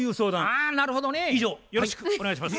あなるほどね。以上よろしくお願いします。